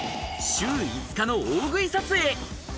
週５日の大食い撮影。